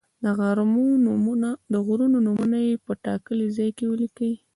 د غرونو نومونه یې په ټاکلي ځای کې ولیکئ.